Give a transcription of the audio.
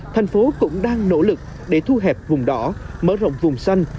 thành phố cũng đang nỗ lực để thu hẹp vùng đỏ mở rộng vùng xanh